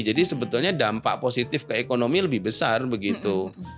jadi sebetulnya dampak positif ke ekonomi lebih besar begitu